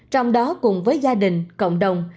trong đó cùng với gia đình cộng đồng